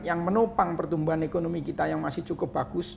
yang menopang pertumbuhan ekonomi kita yang masih cukup bagus